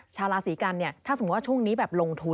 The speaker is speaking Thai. ชาวราศีกันเนี่ยถ้าสมมุติว่าช่วงนี้แบบลงทุน